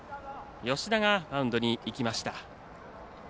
吉田がマウンドに行きました。